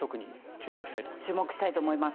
注目したいと思います。